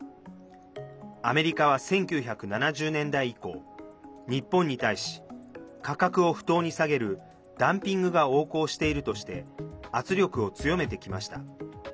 アメリカは１９７０年代以降日本に対し、価格を不当に下げるダンピングが横行しているとして圧力を強めてきました。